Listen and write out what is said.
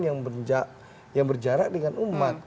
yang berjarak dengan umat